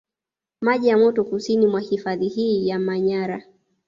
Maji ya moto kusini mwa hifadhi hii ya Manyara